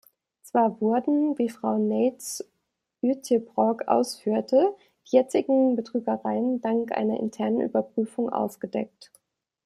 Zwar wurden, wie Frau Neyts-Uyttebroeck ausführte, die jetzigen Betrügereien dank einer internen Überprüfung aufgedeckt.